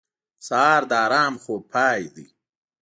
سهار د ارام خوب پای دی.